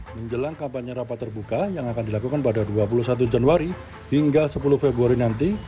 menjelang kampanye rapat terbuka yang akan dilakukan pada dua puluh satu januari hingga sepuluh februari nanti